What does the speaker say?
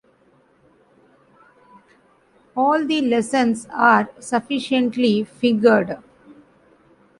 All the lessons are sufficiently fingered.